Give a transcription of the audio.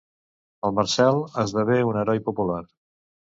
El Marcel esdevé un heroi popular.